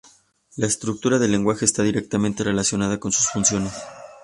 La estructura del lenguaje esta directamente relacionada con sus funciones.